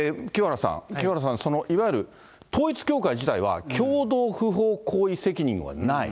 清原さん、いわゆる統一教会自体は、共同不法行為責任はない。